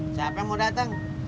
siapa yang mau dateng